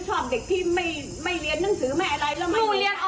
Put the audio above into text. เออหนูก็ไปเรียนที่โรงเรียน